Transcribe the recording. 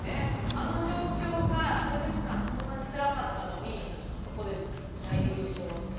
あの状況から数日間、あんなにつらかったのに、あそこで優勝。